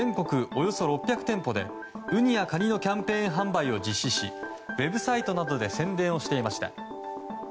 およそ６００店舗でウニやカニのキャンペーン販売を実施しウェブサイトなどで宣伝をしていました。